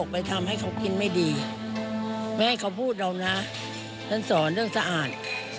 ไม่ให้เขาพูดเรานะฉันสอนเรื่องสะอาด